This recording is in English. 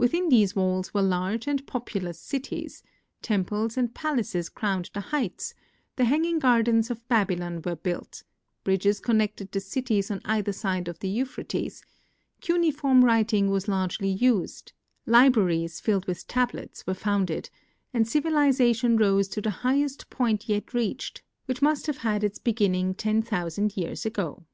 Witliin these walls were large and populous cities ; temples and jial aces crowned the heights ; the hanging gardens of Babylon were built; bridges connected the cities on either side of the Eu phrates; cuneiform writing was largely used; libraries, filled with tablets, were founded, and civilization rose to tiie highest 174 THE EFFECTS OF GEOGRAPHIC ENVIRONMENT point yet reached, which must have had its beginning ten thou sand years ago.